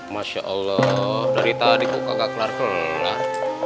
masya allah dari tadi gua nggak kelar kelar